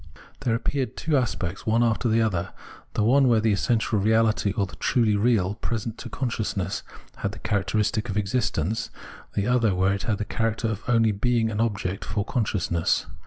There appeared two aspects, one after the other ; the one where the essential reahty or the truly real present to consciousness had the characteristic of existence, the other where it had the character of only being an object for consciousness.